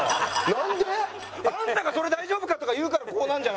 なんで？あんたが「それ大丈夫か？」とか言うからこうなるんだよ！